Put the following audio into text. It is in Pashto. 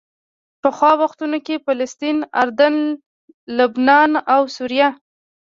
پخوا وختونو کې فلسطین، اردن، لبنان او سوریه.